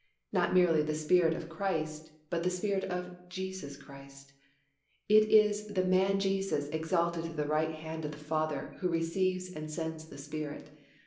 Not merely the Spirit of Christ, but the Spirit of Jesus Christ. It is the Man Jesus exalted to the right hand of the Father who receives and sends the Spirit.